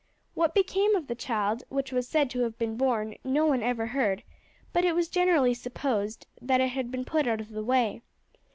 What became of the child which was said to have been born no one ever heard; but it was generally supposed that it had been put out of the way.